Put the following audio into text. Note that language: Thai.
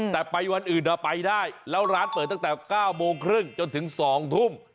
แต่ไปวันอื่นไปได้แล้วร้านเปิดตั้งแต่๙โมงครึ่งจนถึง๒ทุ่ม